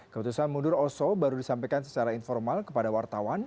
keputusan mundur oso baru disampaikan secara informal kepada wartawan